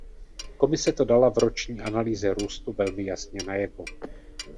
Komise to dala v roční analýze růstu velmi jasně najevo.